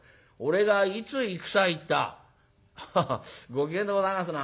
「ご機嫌でございますな。